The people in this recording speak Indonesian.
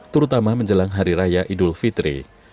terutama menjelang hari raya idul fitri